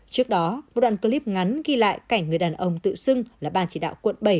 trước đó một đoạn clip ngắn ghi lại cảnh người đàn ông tự xưng là ban chỉ đạo quận bảy